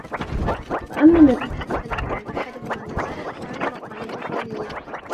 وَأَمَّا النَّزَاهَةُ فَنَوْعَانِ أَحَدُهُمَا النَّزَاهَةُ عَنْ الْمَطَامِعِ الدَّنِيَّةِ